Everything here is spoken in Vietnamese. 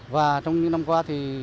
và trong những năm qua